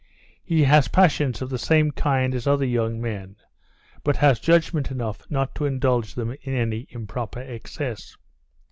He has passions of the same kind as other young men, but has judgment enough not to indulge them in any improper excess.